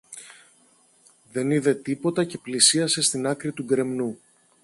δεν είδε τίποτα και πλησίασε στην άκρη του γκρεμνού.